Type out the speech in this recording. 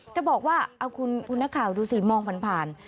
จะบอกว่าเอาคุณนักข่าวดูสิมองผ่าน